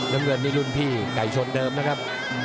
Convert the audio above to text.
น้ำเงินนี่รุ่นพี่ไก่ชนเดิมนะครับ